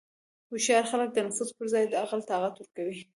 هوښیار خلک د نفس پر ځای د عقل اطاعت کوي.